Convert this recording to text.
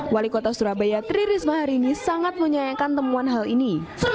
wali kota surabaya tri risma hari ini sangat menyayangkan temuan hal ini